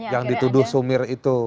yang dituduh sumir itu